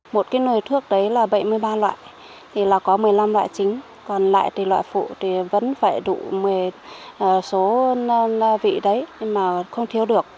một cái nồi thuốc đấy là bảy mươi ba loại thì là có một mươi năm loại chính còn lại thì loại phụ thì vẫn phải đủ một mươi số vị đấy mà không thiếu được